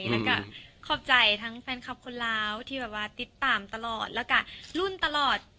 แล้วก็ขอบใจทั้งแฟนคลับคนล้าวที่แบบว่าติดตามตลอดแล้วก็รุ่นตลอด